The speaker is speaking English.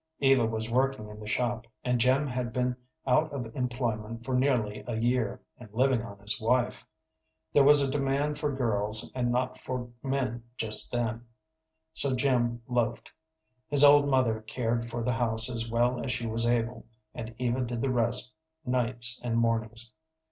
Eva was working in the shop, and Jim had been out of employment for nearly a year, and living on his wife. There was a demand for girls and not for men just then, so Jim loafed. His old mother cared for the house as well as she was able, and Eva did the rest nights and mornings.